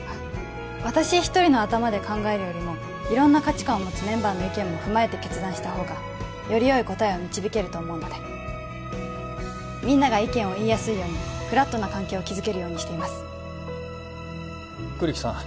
私一人の頭で考えるよりも色んな価値観を持つメンバーの意見も踏まえて決断した方がよりよい答えを導けると思うのでみんなが意見を言いやすいようにフラットな関係を築けるようにしています栗木さん